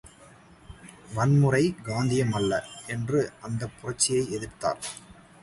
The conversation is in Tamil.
வன்முறை, காந்தீயம் அல்ல என்று அந்தப் புரட்சியைப் எதிர்த்தார்.